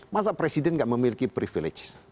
masa presiden tidak memiliki privilege